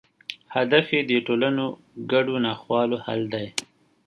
هدف یې د ټولنو ګډو ناخوالو حل دی.